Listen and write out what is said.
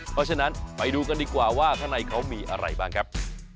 เพราะฉะนั้นไปดูกันดีกว่าว่าข้างในเขามีอะไรบ้างครับ